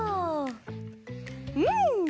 うん！